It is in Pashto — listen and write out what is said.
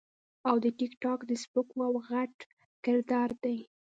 او د ټک ټاک د سپکو هم غټ کردار دے -